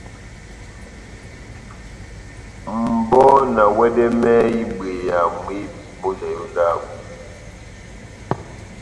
Mʼbɔ na wɛdɛmɛhɛ ibɔ́ma mwibi mujahi ó ndábo.